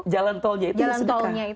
jalan tolnya itu sedekah